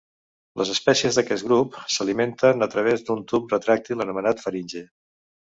Les espècies d'aquest grup s'alimenten a través d'un tub retràctil anomenat faringe.